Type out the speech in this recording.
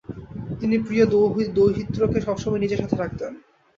তিনি প্রিয় দৌহিত্রকে সব সময় নিজের সাথে রাখতেন।